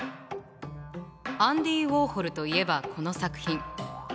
アンディ・ウォーホルといえばこの作品。